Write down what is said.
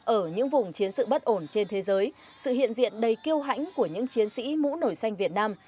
ở những vùng chiến sự bất ổn trên thế giới sự hiện diện đầy kêu hãnh của những chiến sĩ mũ nổi xanh việt nam